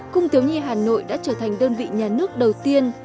cung thiếu nhi hà nội đã trở thành đơn vị nhà nước đầu tiên